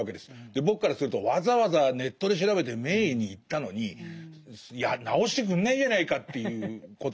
僕からするとわざわざネットで調べて名医に行ったのに治してくんないじゃないかということになるんです。